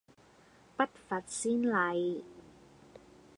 不乏先例